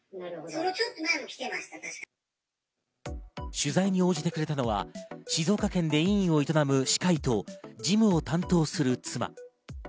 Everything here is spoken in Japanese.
取材に応じてくれたのは静岡県で医院を営む歯科医と事務を担当する妻。